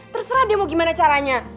terserah dia mau gimana caranya